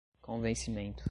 convencimento